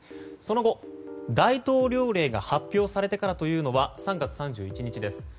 その後、大統領令が発表されてからというのは３月３１日です